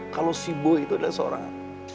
kalau si bo itu adalah seorang